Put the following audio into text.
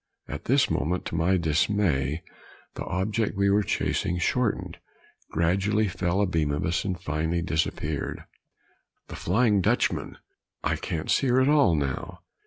At this moment, to my dismay, the object we were chasing shortened, gradually fell abeam of us, and finally disappeared. "The flying Dutchman." "I can't see her at all now."